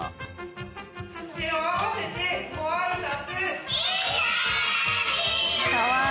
手を合わせてご挨拶。